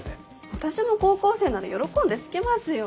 私も高校生なら喜んで着けますよ。